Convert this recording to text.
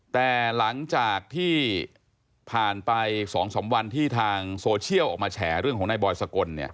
แต่หลังจากที่ผ่านไป๒๓วันที่ทางโซเชียลออกมาแฉเรื่องของนายบอยสกล